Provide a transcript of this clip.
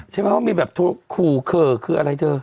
ใช่ไหมว่ามีแบบคูเคอร์คืออะไรเธอ